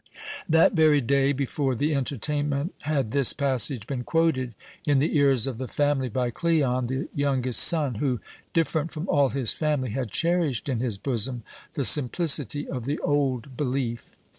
That very day, before the entertainment, had this passage been quoted in the ears of the family by Cleon, the youngest son, who, different from all his family, had cherished in his bosom the simplicity of the old belief.